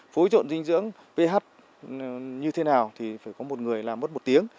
phối trộn dinh dưỡng ph như thế nào thì phải có một người làm mất một tiếng